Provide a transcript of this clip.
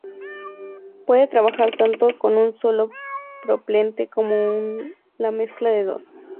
Puede trabajar tanto con un solo propelente como con la mezcla de dos.